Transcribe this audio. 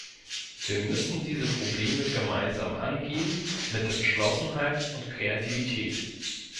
Wir müssen diese Probleme gemeinsam angehen mit Entschlossenheit und Kreativität.